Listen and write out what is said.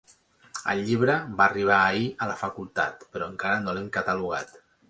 El llibre va arribar ahir a la facultat, però encara no l'hem catalogat.